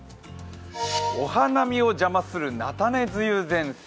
お花見を邪魔する菜種梅雨前線。